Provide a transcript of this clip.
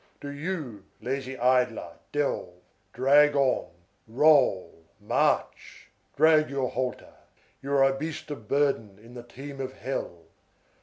Do you, lazy idler, delve, drag on, roll, march! Drag your halter. You are a beast of burden in the team of hell!